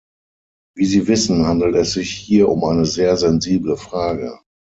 Wie Sie wissen, handelt es sich hier um eine sehr sensible Frage.